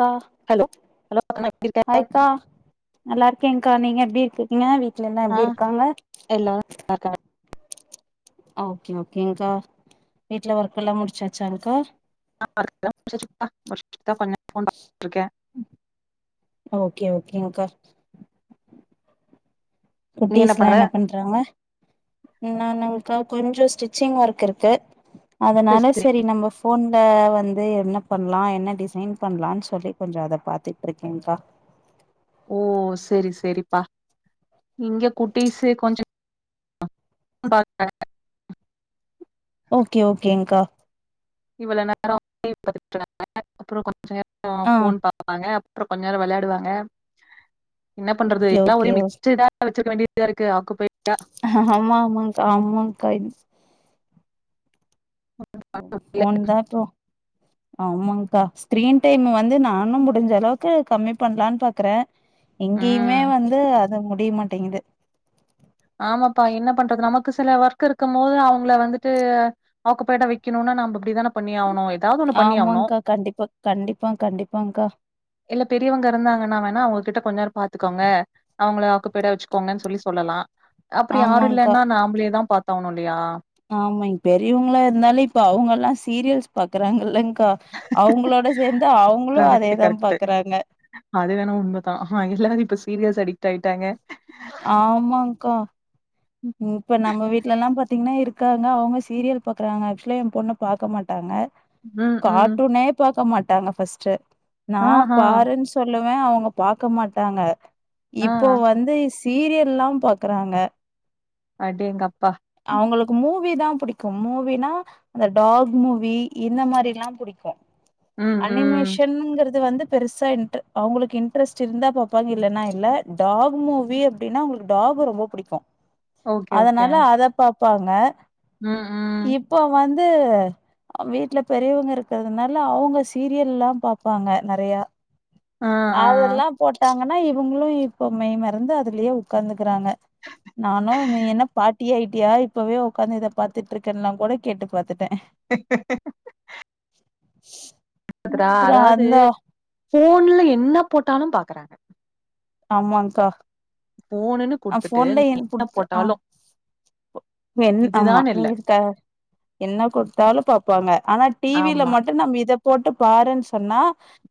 கா hello hello அக்கா எப்டி இருக்க ஹாய் கா நல்லா இருக்கேங்க்கா நீங்க எப்டி இருக்கீ ங்க வீட்ல எல்லா ஆ எப்டிருக்காங்க எல்லாரு ஓகே ஓகேங்க்கா வீட்ல ஒர்க்கெல்லா முடிச்சாச்சாங்க்கா ஆ ஒர்க்லா முடிச்சாச்சுப்பா [inaudible] தா பண்ணே கொஞ்சநேரோ ஃபோன் பாத்துட்ருக்கே ஓகே ஓகேங்க்கா குட்டீஸ்லா என்ன பண்ற றாங்க நானாங்கா ம் கொஞ்சோ ஸ்டிச்சிங் ஒர்க் இருக்கு சரி அதனால செரி சரி நம்ம ஃபோ ஃபோன்ல வந்து என்ன பண்லா என்ன டிசைன் பண்லானு சொல்லி கொஞ்சோ அத பாத்துட்ருக்கேங்க்கா ஓ செரி செரிப்பா இங்க குட்டீஸு கொஞ்சோ [inaudible] பாத்தே ஓகே ஓகேங்க்கா இவ்ளோ நேரோ டிவி பாத்துட்ருந்தாங்க [inaudible] அப்றோ கொஞ்ச நேரோ ஆ ஃபோன் பா பாங்க அப்றோ கொஞ்ச நேரோ வெளாடுவாங்க என்ன பண்றது ஓகே எல்லா ஓகே ஒரே ஓ மிக்ஸ்டடா வச்சிருக்க வேண்டியதா இருக்கு [inaudible] ஆமா ஆமாக்கா ஆமாங்க்கா [inaudible] ஃபோன்தா இப்போ ஆமாங்க்கா கிரின் டைமு வந்து நானு முடிஞ்சளவுக்கு கம்மி பண்லானு பாக்குறே எங்கேயுமே ம் வந்து அது முடிய மாட்டேங்குது ஆமாப்பா என்ன பண்றது நமக்கு சில ஒர்க் இருக்கு போது அவுங்கள வந்துட்டு ஆக்குப்பலடா வைக்கணுனா நாம அப்டிதான பண்ணியாவணு ஏதாது ஆமாங்க்கா கண்டிப்பா கண்டிப்பா கண்டிப்பாங்க்கா இல்ல பெரியவங்க இருந்தாங்கன்னா வேணா அவுங்ககிட்ட கொஞ்சோ நேரொ பாத்துக்கோங்க அவுங்கள ஆக்குப்பேடா வச்சுக்கோங்கனு சொல்லி சொல்லலா அப்றி யாரும் ஆமாங்க்கா இல்லன்னா நாம்ளே தா பாத்தாவ்னு இல்லையா ஆமே பெரியவங்களா இருந்தாலே இப்ப அவங்கல்லா சீரியல்ஸ் பாக்குறாங்க இல்லங்கா அவுங்களோட சேந்து அவுங்களு அதேதா பாக்குறாங்க அதுவென்னவோ உண்மதா எல்லாரு இப்ப சீரியல்ஸ் அடிக்ட் ஆயிட்டாங்க ஆமாங்க்கா இப்ப நம்ம வீட்லல்லா பாத்தீங்கன்னா இருக்காங்க அவுங்க சீரியல் பாக்குறாங்க ஆக்சுவலா எ பொண்ணு பாக்க மாட்டாங்க ம் ம் கார்டூனே பாக்க மாட்டாங்க ஃபஸ்ட்டு நா ஆ ஹா பாருன் சொல்லுவே அவுங்க பாக்க மாட்டாங்க ஆ இப்போ வந்து ஸ் சீரியல்லா பாக்குறாங்க அடேங்கப்பா அவுங்களுக்கு மூவி தா புடிக்கு மூவினா அந்த டாக் மூவி இந்த மாரில்லா புடிக்கு ம் அனிமேஷ ம் ஷன்ங்கறது வந்து பெருசா இன்ட்டு அவங்களுக்கு இன்ட்ரெஸ்ட் இருந்தா பாப்பாங்க இல்லன்னா இல்ல டாக் மூவி அப்டின்னா அவுங்களுக்கு டாக்க ரொம்ப புடிக்கு ஓகே ஓகே அதனால அத பாப்பாங்க ம் ம் இப்போ வந்து வீட்ல பெரியவங்க இருக்கறதுனால அவுங்க சீரியல்லா பாப்பாங்க நெறைய ஆ ஆ அதெல்லா போட்டாங்கன்னா இவுங்களு இப்போ மெய் மறந்து அதுலயே உக்காந்துகிறாங்க நா னு என்ன பாட்டி ஆயிட்டியா இப்பவே உக்காந்து இத பாத்துட்டு இருக்கேன்லா கூட கேட்டு பாத்துட்டே [inaudible] [unintelligible] ரா அப்றோ அதாவது அந்த ஃபோன்ல என்ன போட்டாலு பாக்குறாங்க ஆமாங்கா ஃபோனுன்னு ஆ குடுத்துட்டு ஃபோன்ல ஏன் என்ன புத்து ஆ போட்டாலு என் ஆமா இதுதான் இல்ல நீங்க என்ன குடுத்தாலு பாப்பாங்க ஆனா டிவில ஆமா மட்டு நம்ம இத போட்டு பாருனு சொன்னா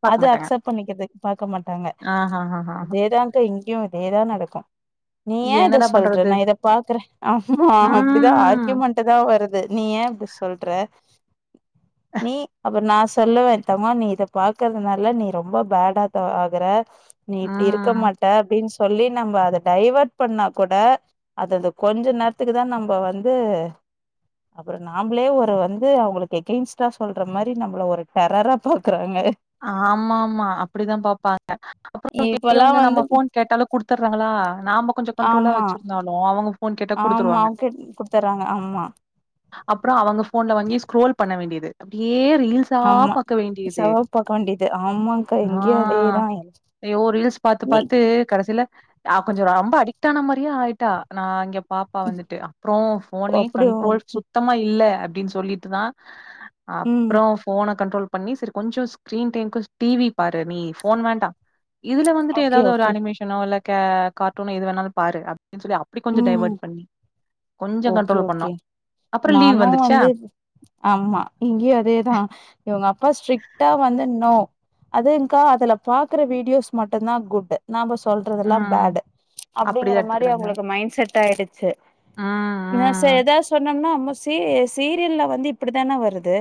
பாக்க அது மாட்டாங்க அக்சப்ட் பண்ணிக்கிறது பாக்க மாட்டாங்க ஆ ஹா ஹா ஹா அதேதா ட்டு இங்கியு இதேதா நடக்கூ நீ ஏ இத என்னடா சொல்ற பண்றது நா இத பாக்குறே அ ஆமா ஆ அப்டிதா ஆர்கியூமெண்ட் டுதா வருது நீ ஏ அப்டி சொல்ற நீ அப்றோ நா சொல்லுவே தமா நீ இத பாக்குறதுனால நீ ரொம்போ பேடா த ஆகுற நீ ஆ இப்டி இருக்க மாட்ட அப்டின் சொல்லி நம்பஅத டைவர்ட் பண்ணா கூட அது அந்த கொஞ்சோ நேர்த்துக்கு தா நம்போ வந்து அப்றோ நாம்ளே ஒரு வந்து அவுங்குளுக்கு அகெயின்ஸ்ட்டா சொல்ற மாரி நம்மள ஒரு டெரரா பாக்குறாங்க ஆமா மா அப்டிதா பாப்பாங்க அப்றோ இப்பல்லா பெரியவங்க நம்ம வந்து ஃபோன் கேட்டாலு குடுத்துர்றாங்ளா நாம கொஞ்சோ கண்ட்ரோலா ஆமா வெச்சிருந்தாலு அவுங்க ஆமா அவுக்கிட் குடுத்துற்றாங்க ஆமா அப்றோ அவுங்க ஃபோன்ல வாங்கியே ஸ்கரோல் பண்ண வேண்டியது அப்டியே ரீல்ஸ் ஆம்மா செவப்பாக்கவேண்டிது ஆம்மா ஆ ஐயோ ரீல்ஸ் பாத்து நீ பாத்து கடைசில அவ கொஞ்சோ ரொம்ப அடிக்ட் ஆன மாரியே ஆயிட்டா நா இங்க பாப் ப்பா வந்துட்டு அப்றோ ஃபோனே அப்டி கண்ட்ரோல் ஓகே சுத்தமா இல்ல அப்டின் சொல்லிட்டுதா ம் அப்றோ ஃபோன கண்ட்ரோல் பண்ணி சரி கொஞ்சோ ஸ்க்ரீன் டைம்மு டிவி பாரு நீ ஃபோன் வேண்டா இதுல வந்துட்டு ஓகே ஏதாவது ஒரு ஓகே அனிமேஷனோ இல்ல கே கார்ட்டூனோ எது வேணாலோ பாரு அப்டினு சொல்லி அப்டி கொஞ்சோ ம் டைவர்ட் பண்ணி கொஞ்சோ ஓகே கண்ட்ரோல் பண்ணோ ஓகே அப்றோ லீவ் வந்துருச்சா ஆம்மா இங்கியு அதேதா இவுங்க அப்பா ஸ்ட்ரிக்டா வந்து னோ அதுங்கா அதுல பாக்குற வீடியோஸ் மட்டுந்தா குட் நாம்ப சொல்றதுல்லா ம். பேடு அப்டிங்கிற அப்படிதான் மாரி எடுத்துக்கிறாங்க. அவுங்களக் மைன்ட் செட் ஆயிடுச்சு ம், நா செரி ம், ஏதாவது சொன்னேனா [unintelligible] தி சீரியல்ல வந்து இப்டிதான வருது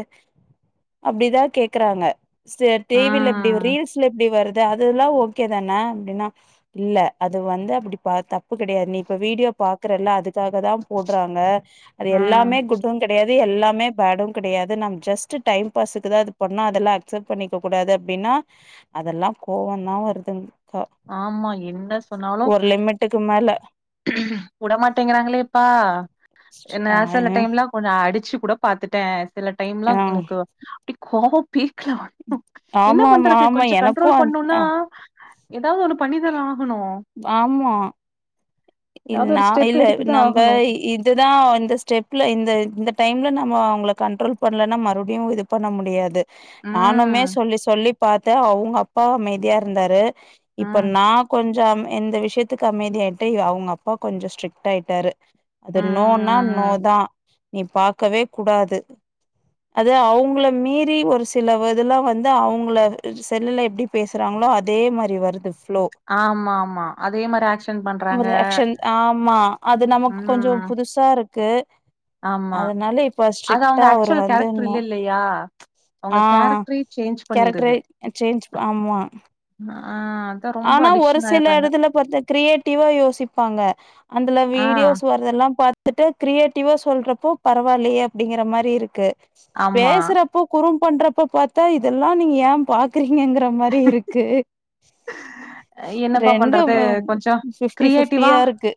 அப்டிதா கேக்குறாங்க சிஸ்டர் டிவில இப்டி வ ம், ரீல்ஸ்ல எப்டி வருது அதுல்லா ஓக்கே தான அப்டினா இல்ல அது வந்து அப்டி பா தப்பு கெடையாது நீ இப்போ வீடியோ பாக்றல்ல அதுக்காக தா போட்றாங்க அது ம். எல்லாமே குட்டு ங் கெடையாது எல்லாமே பேடு கெடையாது நம் ஜஸ்ட்டு டைம் பாஸுக்குதா அது பண்ணா அதெல்லா அக்சப்ட் பண்ணிக்க கூடாது அப்டின்னா அதெல்லா கோவந்தா வருது ஆமா என்ன சொன்னாலு ட்டுக்கு மேல வுடமாட்டேங்கிறாங்களேப்பா என்ன ஆ செல டைம்லாம் கொஞ்சோ அடிச்சு கூட பாத்துட்டே சில டைம்லா ஆ எனக்கு அப்டி கோவம் பீக்ல வரும் உக் என்ன ஆமா ஆமா பண்றது ஆமா கொஞ்சோ எனக்கு கண்ட்ரோல் பண்ணோனா ஆ ஏதாவது ஒன்னு பண்ணிதானே ஆகனூ ஆமா இது ஏதாவது நா ஒரு ஸ்டெப் இல்ல எடுத்து தான் நம்ப ஆகணும். இத் இதுதா இந்த ஸ்டெப்ல இந்த இந்த டைம்ல நம்ம அவுங்கள கண்ட்ரோல் பண்லனா மறுபடியு இது பண்ண முடியாது ம், நானுமே சொல்லி சொல்லி பாத்தே அவுங்க அப்பா அமைதியா இருந்தாரு இப்ப ம். நா கொஞ்சோ அமை இந்த விஷயத்துக்கு அமைதியாயிட்டே இ அவுங் அவுங்க அப்பா கொஞ்சோ ஸ்ட்ரிக்ட்டாயிட்டாரு இது நோனா நோ ம். தா நீ பாக்கவே கூடாது அது அவுங்கள மீறி ஒரு சில வ இதுல்லா வந்து அவுங்கள செல்லுல எப்டி பேசுறாங்ளோ அதே மாரி வருது ஃப்ளோ ஆமா ஆமா அதே மாரி ஆக்சன் பண்றாங்க ஆக்சன் ஆமா அது நமக்கு கொஞ்சோ ம். புதுசா இருக்கு ஆமா. அதனால இப்போ ஸ்ட்ரிக்டா அவரு வந்து நோ யா ஆ கேரக்ட்ரே ஆ சேஞ்ச் ஆமா ஆ அதா ஆனா ஒரு சில எடத்துல பாத்தா கிரியேட்டிவா யோசிப்பாங்க அந்தல ஆ வீடியோஸ் ஒர் இதெல்லாம் பாத்துட்டு கிரியேட்டிவா சொல்றப்போ பரவாயில்லயே அப்டிங்கிற மாரி இருக்கு ஆமா. பேசுறப்போ குறும் பண்றப்போ பாத்தா இதெதால்லாம் நீங்க ஏன் பா க்கிறங்கங்கிற மாரி இருக்கு ஆ என்னப்பா பண்றது ரெண்டும் கொஞ்ச ஃபிப்டி கிரியேட்டிவா ஃபிப்டியா இருக்கு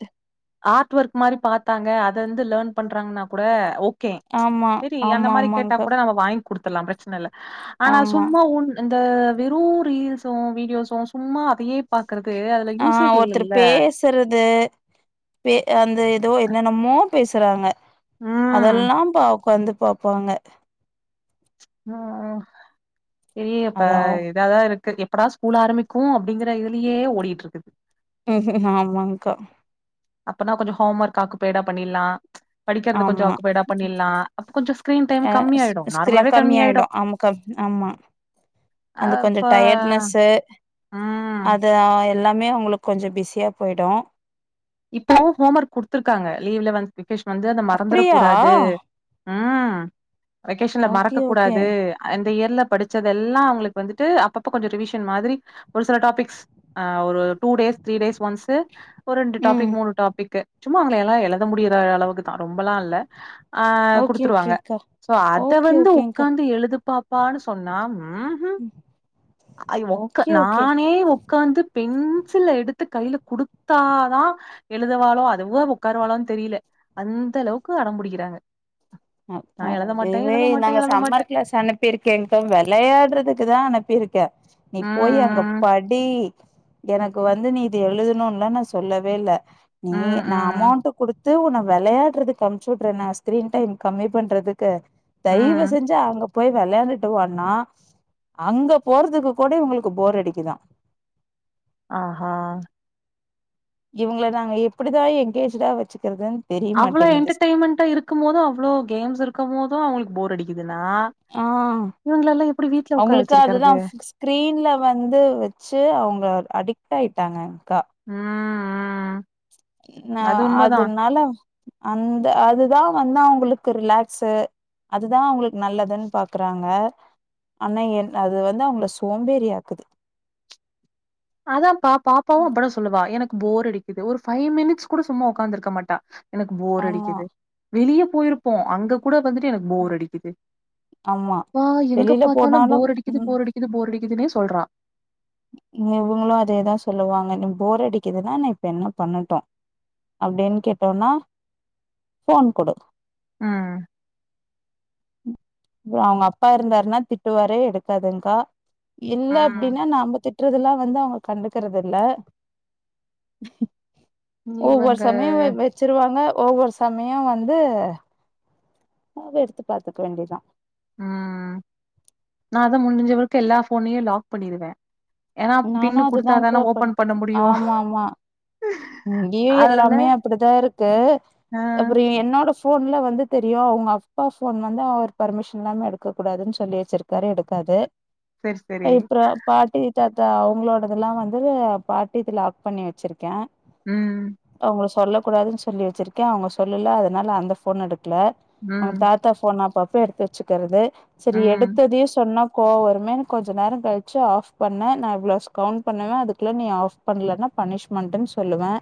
ஆர்ட் ஒர்க் மாரி பாத்தாங்க அத வந்து லேர்ன் பண்றாங்கன்னா கூட ஓக் கே ஆமா செரி அந்த ஆமா மாரி கேட்டா ஆமாங்க்கா கூட நம்ம வாங்க குடுத்துர்லா பிரச்சன இல்ல ஆனா ஆமா சும்மா ஒன் இந்த வெறு ரீல்ஸு வீடியோஸ்ஸு அப்ற சும்மா அதையே பாக்கறது அதுல யூசேஜ் இல்லல்ல த்தறது பே அந்த ஏதோ என்னென்னமோ பேசுறாங்க ம். அதெல்லாம் பா ஒக்காந்து பாப்பாங்க ஆ ஆ இலாலியேப்பா அது அவ் இதாதா இருக்கு எப்படா ஸ்கூல் ஆரம்பிக்கு அப்டிங்கிற இதுலேயே ஓடிட்டு இருக்கு ஆமாங்க்கா அப்பனா கொஞ்ச ஹோம் ஒர்க் ஆக்குப்பைடா பண்ணிட்லா படிக்கிறது கொஞ்ச ஆமா. ஆக்குபைடா பண்ணிடலா அப்போ கொஞ்ச ஸ்க்ரீன் டைம் கம்மியாயிடு நார்மலாவே கம்மி ஆயிடு கஃவ் ஆமா அந்த கொஞ்ச அப்ப டயட்னெஸ்ஸு ம் ஆ எல்லாமே அவுங்களுக்கு கொஞ்ச பிஸியா போயிடு இப்பவு ஹோம் ஒர்க் குடுத்துருக்காங்க லீவ்ல வந்து வெக்கேஷன் வந்து அத மறந்துரக் அப்படியா? கூடாது ம் வெக்கேஷன்ல ஓகே, மறக்கக் ஓகே. கூடாது அந்த இயர்ல படிச்சதெல்லா அவுங்களுக்கு வந்துட்டு அப்பப்ப கொஞ்சம் ரிவிஷன் மாதிரி ஒரு சில டாபிக்ஸ் ஆ ஒரு two days three days once ஒரு ரெண்டு ம். டாப்பிக் மூணு டாப்பிக்கு சும்மா அவங்கள எல்லா எழுத முடியிற அளவுக்கு தா ரொம்பலா இல்ல ஆ ஓகே, குடுத்துருவாங்க ஓகேங்க்கா. சோ அத ஓகே, வந்து ஓகேங்க்கா. உக்காந்து எழுதுப்பா ப்பான்னு சொன்னா ம் ஹு அது ஒக்கா ஓகே, ஓகே. நானே ஒக் க்காந்து பென்சில எடுத்து கையில குடுத்தாதா எழுதுவாளோ அதுவோ உடக்காருவாளோனு தெரியல அந்தளவுக்கு அடம் புடிக்கிறாங்க ம் ஹு நான் எழுத மாட்டேன், தெய்வமே எழுத மாட்டேன், நாங்க எழுத சம்மர் மாட்டேன். கிளாஸ் அனுப் ப்பிருக்கேங்க வெளையாடுறதுக்கு தா அனுப்பிருக்கே நீ ம், போய் அங்க ம். படி எனக் வந்து நீ இது எழுதணுன்லா நா சொல்லவே இல்ல நீ ம் நா ம் அமௌண்ட் குடுத்து உன்ன வெளையாடுறதுக்கு அனுப்ச்சு விடுறே நா ஸ்கிரீன் டைம் கம்மி பண்றதுக்கு ம். தயவு செஞ்சு அங்க போய் வெளாண்டுட்டு வானா அங்க போறதுக்கு கூட இவங்ளுக்கு போர் அடிக்குதா ஆஹா இவங்கள நாங்க எப்டிதா எங்கேஜ்டா வச்சுக்குறதுன் அவ்ளோ என்டர்டெயின்மெண்ட் இருக்கும் போது அவ்ளோ கேம்ஸ் இருக்கும் போது அவங்ளுக்கு போர் அடிக்குதுன்னா ஆ இவங்களெல்லாம் எப்படி வீட்ல உட்கார அவங்களுக்கு அதுதா வச்சிருக்கறது? ஸ் ஸ் க்ரீன்ல வந்து வச்சு அவங்க அடிக்ட் ஆயிட்டாங்கக்கா ம் ம் நா அது உண்மதான். அதுனால அந்த அதுதா வந்து அவங்ளுக்கு ரிலாக்ஸு அதுதா அவங்ளுக் நல்லதுன் பாக்குறாங்க ஆனா என் அது வந்து அவங்கள சோம்பேறி ஆக்குது அதா பா பாப்பாவு அப்டிதா சொல்லுவா எனக்கு போர் அடிக்குது ஒரு ஃபைவ் மினிட்ஸ் கூட சும்மா உக்காந்துருக்க மாட்டா எனக்கு போர் ஆமா அடிக்குது வெளிய போயிருப்போ அங்க கூட வந்துட்டு எனக்கு போர் அடிக்குது ஆமா அப்பா எங்க வெளியில பாத்தாலு போனாலு போர் அடிக்குது ம் போர் அடிக்குது போர் அடிக்குதுன்னே சொல்றா இவங்களு அதேதா சொல்லுவாங்க நீ போர் அடிக்குதுனா நா இப்ப என்ன பண்ணட்டு அப்டின் கேட்டோன்னா போன் குடு ம் இது அவுங்க அப்பா இருந்தாருன்னா திட்டுவாரு எடுக்காதுங்க்கா இல்ல ம். அப்டின்னா நாம்ப திட் திட்றதெல்லா வந்து அவுங்க கண்டுக்கிறது இல்ல ஒவ்வொரு இவங்க சமயோ வ வச்சிருவாங்க ஒவ்வொரு சமயோ வந்து அத எடுத்து பாத்துக்க வேண்டிதா ம் நா அதா முடிஞ்சவரைக்கு எல்லா போனையு லாக் பண்ணிருவே நானு அதுதாக்கா பண் பண்ண முடியு ஆமா ஆமா ம் இங்கேயு அதனால எல்லாமே அப்டிதா இருக்கு ஆ அப்றோ என்னோட ஸ் போன்ல வந்து தெரியு அவுங்க அப்பா போன் வந்து அவர் பர்மிஷன் இல்லாம எடுக்க கூடாதுன் சொல்லி வச்சிருக்காரு எடுக்காது செரி செரி அது இப்ற பாட்டி தாத்தா அவுங்களோட இதெல்லா வந்து பாட்டி இது லாக் பண்ணி வச்சிருக் கே ம் அவுங்கள சொல்ல கூடாதுன் சொல்லி வச்சிருக் கே அவுங்க சொல்லல அதனால அந்த போன் எடுக்ல அவுங்க ம் தாத்தா போன அப்பப்ப எடுத்து வச்சுக்கிறது சரி ம் எடுத்ததையே சொன்னா கோ வருமேனு கொஞ்ச நேரோ கழிச்சு ஆஃப் பண்ணே நா இவ்ளோ ஸ்கவுண்ட் பண்ணுவே அதுக்குல்ல நீ ஆஃப் பண்லன்னா பனிஷ்மெண்டுன்னு சொல்லுவே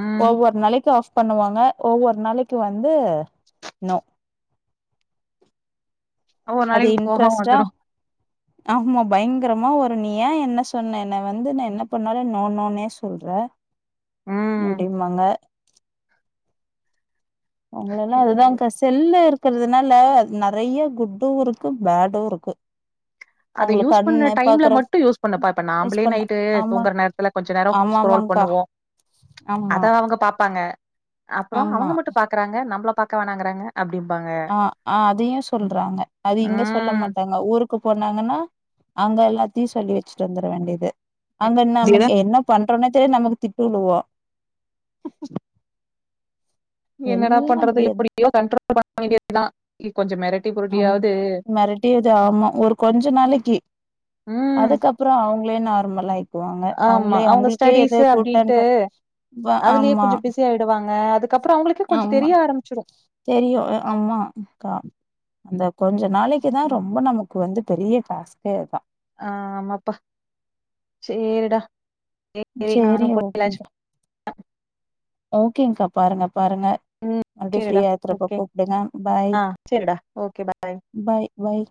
ம் ஒவ்வொரு நாளைக்கு ஆஃப் பண்ணுவாங்க ஒவ்வொரு நாளைக்கு வந்து நோ ஒரு அது நாளைக் போகோ இன்ட்ரெஸ்ட்டா வந்துரு ஆமா பயங்கரமா வரு நீ ஏ என்ன சொன்ன என்ன வந்து நா என்ன பண்ணாலு நோ நோனே சொல்ற ம் அப்டிம்பாங்க அவங்களெல்லா அதுதா கஷ் செல்ல இருக்கிறதுனால நெறய குட்டு இருக்கு பேடு இருக்கு அத அவங்களுக்கு யூஸ் பண்ண கண்ணு டைம்ல பாக்குற மட்டும் அத யூஸ் பண்ண டைம்ல மட்டு யூஸ் பண்ண பாப்பே யூஸ் நாம்ப்லே பண்ண நைட்டு ஆமா தூங்குற நேரத்துல கொஞ்ச நேரோ ஆமா ஸ்க்ரால் ஆமாங்க்கா பண்ணுவோ அத ஆமா அவுங்க பாப்பாங்க அப்றோ ஆமா. அவுங்க மட்டு பாக்குறாங்க நம்ள பாக்க வேணாங்கறாங்க அப்டிம்பாங்க ஆ ஆ அதையு சொல்றாங்க அது இங்க சொல்ல ம் மாட்டாங் க ஊருக்கு போனாங்கன்னா அங்க எல்லாத்தையு சொல்லி வச்ட்டு வந்துர வேண்டியது அங்க அதேதா நமக்கு என்ன பண்றோனே தெரிய நமக்கு திட்டு விழுவா அ என்னடா எல்லாம் பண்றது அப்படியே இப்படியோ கண்ட்ரோல் பண்ண வேண்டியதுதான் கொஞ்சம் மெரட் ஆ மெறட்டியது ஆமா ஒரு கொஞ்ச நாளைக்கி ம் அதுக்கப் ப்றோ அவுங்களே நார்மல் ஆயி வாங்க ஆமா அவுங்களே அவங்க அவுங்களுக்கே ஸ்டடீஸ் எத அப்டின்ட்டு குட்டன் அ ஆமா இதுவாங்க அதுக்கப்புறம் அவுங்களுக் ஆமா தெரியும் ஆமா அக்கா அந்த கொஞ்ச நாளைக்கி தா ரொம்ப நமக்கு வந்து பெரிய டாஸ்க்கே தா ஆமாப்பா சேரிடா வை வை சரி நானும் போய் வேலாச் ஓகேங்க்கா. ஓகேங்க்கா பாருங்க பாருங்க ம் மறுபடி சேரிடா ஃப்ரீயா இருக்கறப்ப ஓகே கூப்புடுங்க பாய் ஆ சேரிடா ஓகே பாய் பாய் பாய்